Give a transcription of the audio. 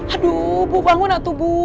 aduh bu bangun atau bu